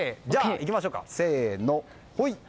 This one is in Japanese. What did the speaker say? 行きましょうか。